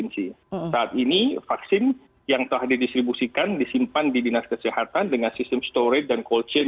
saat ini vaksin yang telah didistribusikan disimpan di dinas kesehatan dengan sistem storage dan cold chain